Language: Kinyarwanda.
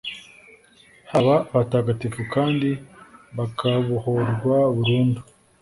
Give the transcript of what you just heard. baba abatagatifu kandi bakabohorwa burundu.